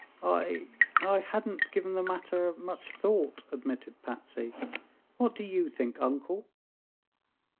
"I I hadn't given that matter thought," admitted Patsy. "What do you think, Uncle?"